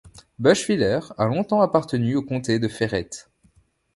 Buschwiller a longtemps appartenu au comté de Ferrette.